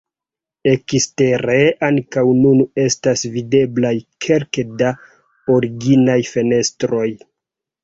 Ekstere ankaŭ nun estas videblaj kelke da originaj fenestroj.